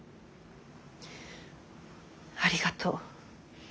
ありがとう。